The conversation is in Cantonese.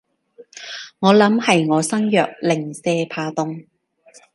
我諗係我身弱，零舍怕凍